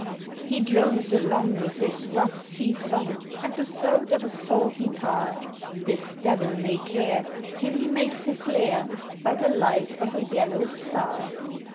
He drones along with his rough sea song And the throat of a salty tar, This devil may care, till he makes his lair By the light of a yellow star.